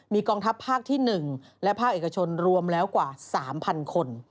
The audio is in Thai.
มีกองทัพภาคที่๑และภาคเอกชนรวมแล้วกว่า๓๐๐คน